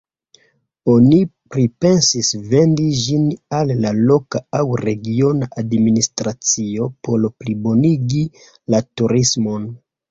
Oni pripensis vendi ĝin al la loka aŭ regiona administracio por plibonigi la turismon.